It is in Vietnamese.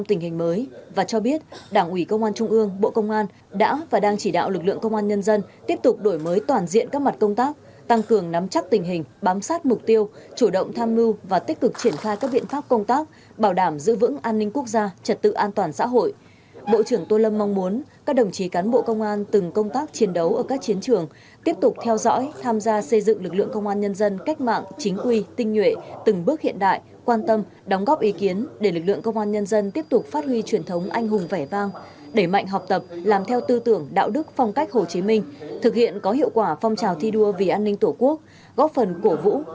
tất cả vì tiền tuyến lớn tất cả vì tiền tuyến lớn tất cả vì tiền tuyến lớn tất cả vì tiền tuyến lớn tất cả vì tiền tuyến lớn tất cả vì tiền tuyến lớn tất cả vì tiền tuyến lớn tất cả vì tiền tuyến lớn tất cả vì tiền tuyến lớn tất cả vì tiền tuyến lớn tất cả vì tiền tuyến lớn tất cả vì tiền tuyến lớn tất cả vì tiền tuyến lớn tất cả vì tiền tuyến lớn tất cả vì tiền tuyến lớn tất cả vì tiền tuyến lớn tất cả vì tiền tuyến lớn tất cả vì tiền tuyến lớn tất cả vì ti